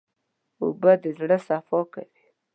اوبه د زړه صفا کوي.